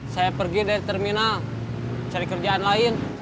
saya pergi dari terminal cari kerjaan lain